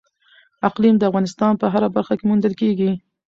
اقلیم د افغانستان په هره برخه کې موندل کېږي.